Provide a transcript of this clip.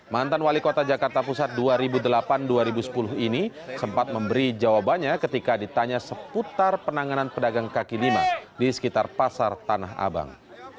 mantan wali kota jakarta pusat dua ribu delapan dua ribu sepuluh ini sempat memberi jawabannya ketika ditanya seputar penanganan pedagang kaki lima di sekitar pasar tanah abang